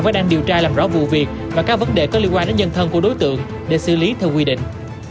và đang điều tra làm rõ vụ việc và các vấn đề có liên quan đến nhân thân của đối tượng để xử lý theo quy định